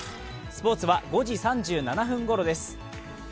スポーツは５時３７分ごろです。